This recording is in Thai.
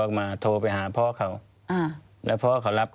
ควิทยาลัยเชียร์สวัสดีครับ